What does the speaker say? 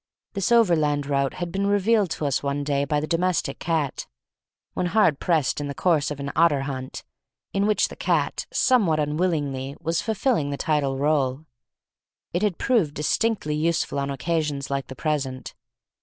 This overland route had been revealed to us one day by the domestic cat, when hard pressed in the course of an otter hunt, in which the cat somewhat unwillingly was filling the title role; and it had proved distinctly useful on occasions like the present.